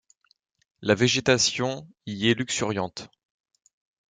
La végétation y est luxuriante.